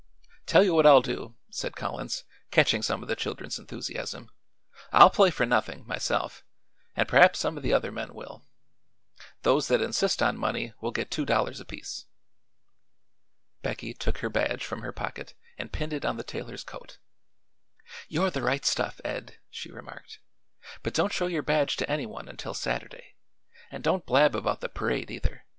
"Tell you what I'll do," said Collins, catching some of the children's enthusiasm, "I'll play for nothing, myself, and perhaps some of the other men will. Those that insist on money will get two dollars apiece." Becky took her badge from her pocket and pinned it on the tailor's coat. "You're the right stuff, Ed," she remarked. "But don't show your badge to anyone until Saturday; and don't blab about the parade, either.